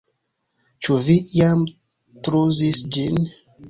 Ĉu vi iam trouzis ĝin?